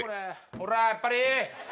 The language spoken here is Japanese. ほらやっぱり！